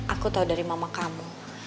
aku tahu dari mama kamu